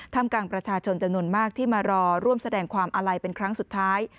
ทำกลางประชาชนจำนวนมากที่มารอร่วมแสดงความอาลัยเป็นครั้งสุดท้าย